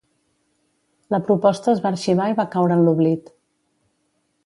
La proposta es va arxivar i va caure en l'oblit.